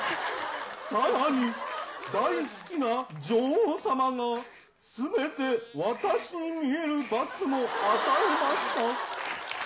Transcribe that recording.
さらに、大好きな女王様がすべて私に見える罰も与えました。